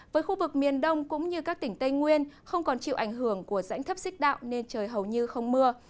với khu vực miền đông cũng như các tỉnh tây nguyên không còn chịu ảnh hưởng của rãnh thấp xích đạo nên trời hầu như không mưa